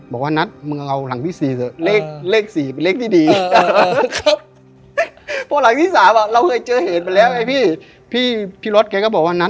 บอกว่านัทมึงเอาหลังที่๔เถอะ